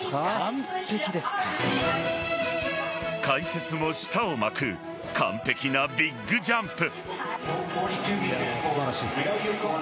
解説も舌を巻く完璧なビッグジャンプ。